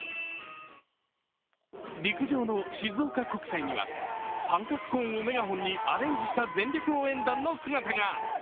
陸上の静岡国際には三角コーンをメガホンにアレンジした全力応援団の姿が。